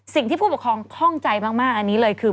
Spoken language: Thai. สิ่งที่ผู้ปกครองค่องใจมากอันนี้เลยคือ